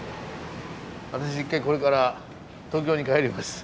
私一回これから東京に帰ります。